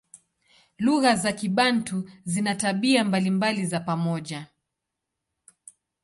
Lugha za Kibantu zina tabia mbalimbali za pamoja.